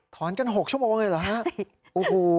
กัน๖ชั่วโมงเลยเหรอฮะโอ้โห